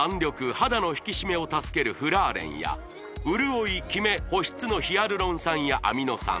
肌の引き締めを助けるフラーレンや潤いキメ保湿のヒアルロン酸やアミノ酸